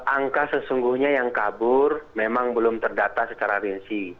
angka sesungguhnya yang kabur memang belum terdata secara rinci